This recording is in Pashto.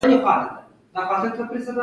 په مدرسه کښې مې څلورم کال و.